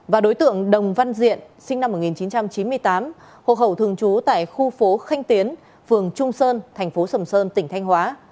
và đối tượng đồng văn diện sinh năm một nghìn chín trăm chín mươi tám hộ khẩu thường trú tại khu phố khanh tiến phường trung sơn thành phố sầm sơn tỉnh thanh hóa